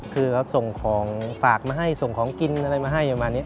คือส่งของฝากมาให้ส่งของกินอะไรมาให้ประมาณนี้